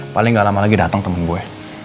paling gak lama lagi datang temen gue